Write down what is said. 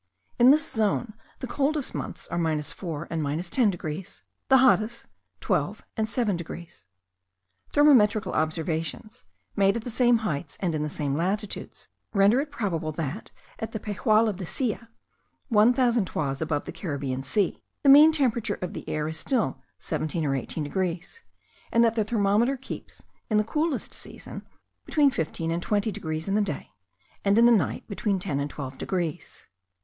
In this zone the coldest months are 4, and 10 degrees: the hottest, 12 and 7 degrees. Thermometrical observations, made at the same heights and in the same latitudes, render it probable that, at the Pejual of the Silla, one thousand toises above the Caribbean Sea, the mean temperature of the air is still 17 or 18 degrees; and that the thermometer keeps, in the coolest season, between 15 and 20 degrees in the day, and in the night between 10 and 12 degrees.